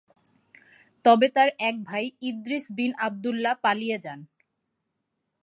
তবে তার এক ভাই ইদ্রিস বিন আবদুল্লাহ পালিয়ে যান।